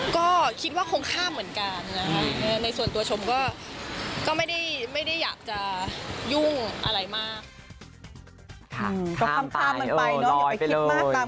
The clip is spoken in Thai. ก็คิดว่าคงข้ามเหมือนกันนะคะในส่วนตัวชมก็ไม่ได้อยากจะยุ่งอะไรมาก